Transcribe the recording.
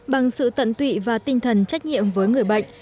bằng sự tận tụy và tinh thần trách nhiệm với người bệnh